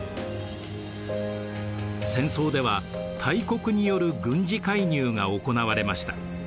戦争では大国による軍事介入が行われました。